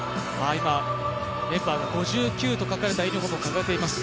今、メンバーが５９と書かれたユニフォームを掲げています。